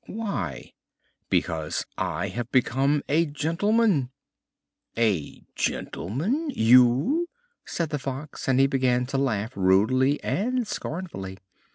"Why?" "Because I have become a gentleman." "A gentleman you!" said the Fox, and he began to laugh rudely and scornfully.